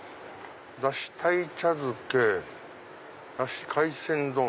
「だし鯛茶漬けだし海鮮丼」。